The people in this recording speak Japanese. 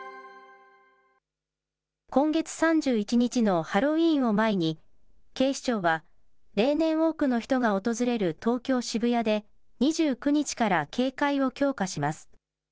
今月３１日のハロウィーンを前に、警視庁は、例年多くの人が訪れる東京・渋谷で、２９日から警戒を強化します。